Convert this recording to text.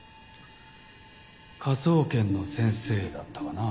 科捜研の先生だったかな？